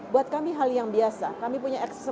buat kami hal yang biasa kami punya